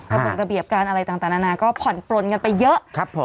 ระบบระเบียบการอะไรต่างนานาก็ผ่อนปลนกันไปเยอะ